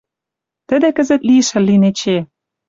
Тӹдӹ кӹзӹт лишӹл лин эче.